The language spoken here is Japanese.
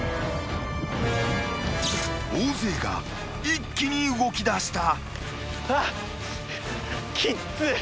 ［大勢が一気に動きだした］